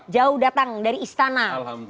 jauh datang dari istana